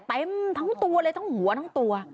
เต็มทั้งตัวเลยทั้งหัวทั้งตัว